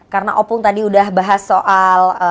karena opong tadi udah bahas soal